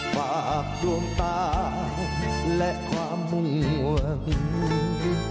ฝากดวงตาและความมุ่ง